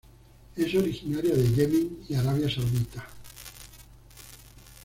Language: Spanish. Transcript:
Es originaria de Yemen y Arabia Saudita.